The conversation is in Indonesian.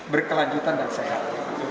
berkelanjutan dan sehat